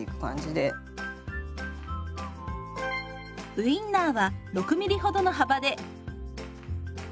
ウインナーは６ミリ程の幅で。